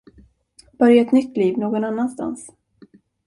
Börja ett nytt liv någon annanstans.